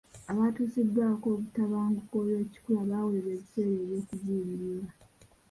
Abatuusiddwako obutabanguko olw'ekikula baweebwa ebiseera eby'okubuulirirwa.